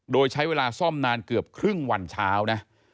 โดยใช้เวลาซ่อมนานเกือบครึ่งวันเช้านะ